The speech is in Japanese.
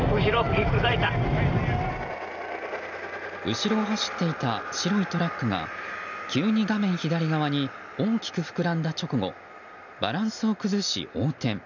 後ろを走っていた白いトラックが急に画面左側に大きく膨らんだ直後バランスを崩し、横転。